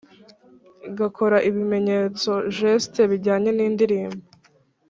gakora ibimenyetso (gestes) bijyanye n’indirimbo,